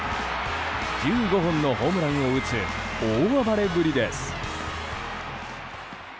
１５本のホームランを打つ大暴れぶりです。